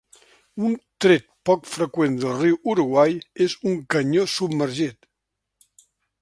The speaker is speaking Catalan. Un tret poc freqüent del riu Uruguai és un canyó submergit.